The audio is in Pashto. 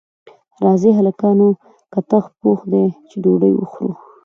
راځئ هلکانو کتغ پوخ دی چې ډوډۍ وخورو